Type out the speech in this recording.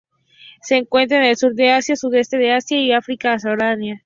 Se encuentra en el sur de Asia, sudeste de Asia y África subsahariana.